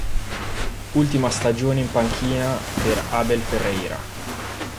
Ultima stagione in panchina per Abel Ferreira.